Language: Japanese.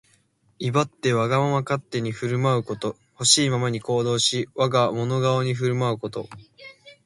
威張ってわがまま勝手に振る舞うこと。ほしいままに行動し、我が物顔に振る舞うこと。